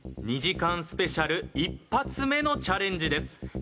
２時間スペシャル１発目のチャレンジです。